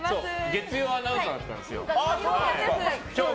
月曜のアナウンサーだったんですよ。